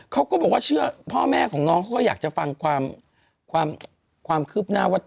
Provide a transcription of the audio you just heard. เขาก็บอกว่าเชื่อพ่อแม่ของน้องเขาก็อยากจะฟังความคืบหน้าว่า